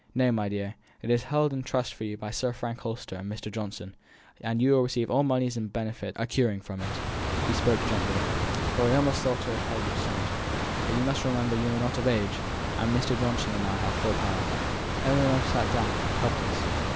"No, my dear. It is held in trust for you by Sir Frank Holster and Mr. Johnson; you to receive all moneys and benefits accruing from it" he spoke gently, for he almost thought her head was turned "but you remember you are not of age, and Mr. Johnson and I have full power." Ellinor sat down, helpless.